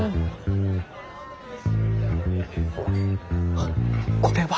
あこれは。